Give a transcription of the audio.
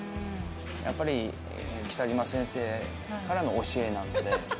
やっぱり北島先生からの教えなので。